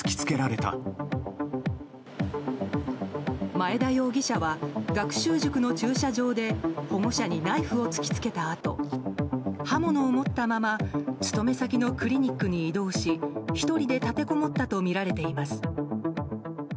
前田容疑者は学習塾の駐車場で保護者にナイフを突きつけたあと刃物を持ったまま勤め先のクリニックに移動し１人で立てこもったとみられています。